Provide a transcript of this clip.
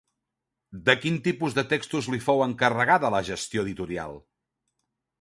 De quin tipus de textos li fou encarregada la gestió editorial?